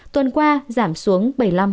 tuần qua giảm xuống bảy mươi năm bốn